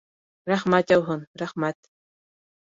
Рәхмәт яуһын, рәхмәт...